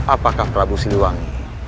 apakah prabu siluang